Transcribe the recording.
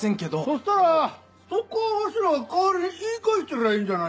そしたらそこわしらが代わりに言い返したらええんじゃないの？